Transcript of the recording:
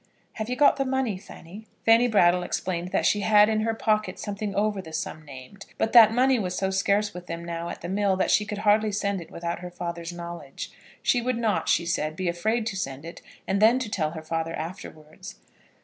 "Have you got the money, Fanny?" Fanny Brattle explained that she had in her pocket something over the sum named, but that money was so scarce with them now at the mill, that she could hardly send it without her father's knowledge. She would not, she said, be afraid to send it and then to tell her father afterwards.